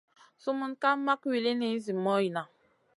Sumun ka mak wulini zi moyna.